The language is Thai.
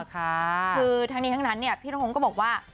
คือทั้งนี้กันหนันนี้พี่ทงทงก็บอกว่า